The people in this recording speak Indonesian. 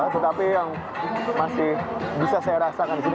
tetapi yang masih bisa saya rasakan di sini